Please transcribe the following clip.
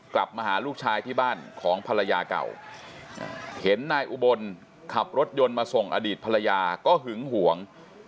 กลับมาหาลูกชายที่บ้านของภรรยาเก่าเห็นนายอุบลขับรถยนต์มาส่งอดีตภรรยาก็หึงห่วง